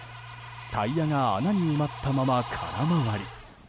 タイヤが穴に埋まったまま空回り。